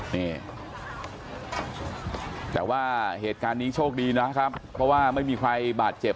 นี่แต่ว่าเหตุการณ์นี้โชคดีนะครับเพราะว่าไม่มีใครบาดเจ็บ